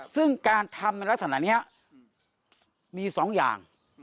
ซึ่งการทำลักษณะนี้มี๒อย่าง